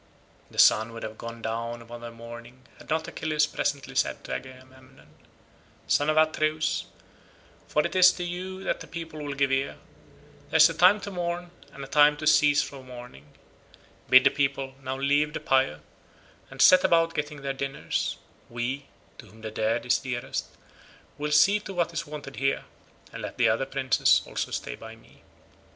The sun would have gone down upon their mourning had not Achilles presently said to Agamemnon, "Son of Atreus, for it is to you that the people will give ear, there is a time to mourn and a time to cease from mourning; bid the people now leave the pyre and set about getting their dinners: we, to whom the dead is dearest, will see to what is wanted here, and let the other princes also stay by me."